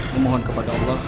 memohon kepada allah